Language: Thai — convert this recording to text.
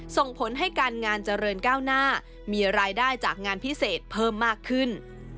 ส่งผลให้การงานเจริญก้าวหน้ามีรายได้จากงานพิเศษเพิ่มมากขึ้น